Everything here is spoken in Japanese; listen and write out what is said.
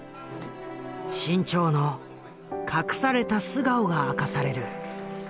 志ん朝の隠された素顔が明かされる。